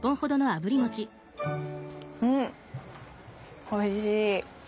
うんおいしい。